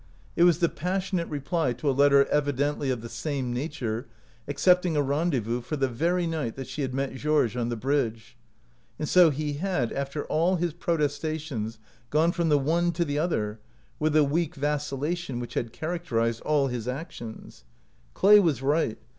It was the passionate reply to a letter evi dently of the same nature accepting a ren dezvous for the very night that she had met Georges on the bridge ; and so he had, after all his protestations, gone from the one to the other, with the weak vacillation which had characterized all his actions. Clay was right.